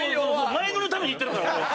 前乗りのために行ってるから俺。